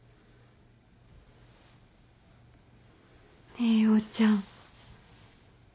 ねえ陽ちゃん。